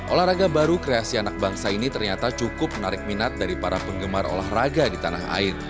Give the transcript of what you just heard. olahraga baru kreasi anak bangsa ini ternyata cukup menarik minat dari para penggemar olahraga di tanah air